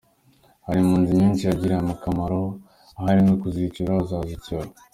Hari impunzi nyinshi yagiriye akamaro ahari no kuzicyura azazicyura.